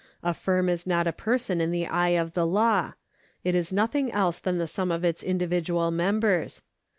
A firm is not a person in the eye of the law ; it is nothing else than the sum of its individual members.